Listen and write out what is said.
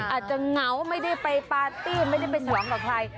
อาจจะเหงาไม่ได้ไปปาร์ตี้ไม่ได้ไปสยองกับใคร